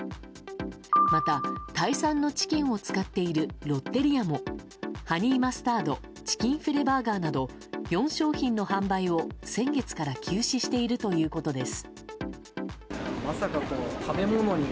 また、タイ産のチキンを使っているロッテリアもハニーマスタードチキンフィレバーガーなど４商品の販売を先月から休止しているということです。